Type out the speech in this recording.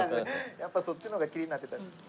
やっぱりそっちの方が気になってた。